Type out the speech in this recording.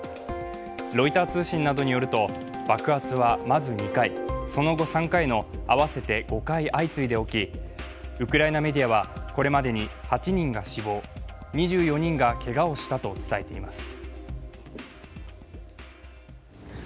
ロイター通信などによると爆発はまず２回、その後３回の合わせて５回、相次いで起き、ウクライナメディアはこれまでに８人が死亡、２４人がけがをしたと伝えています。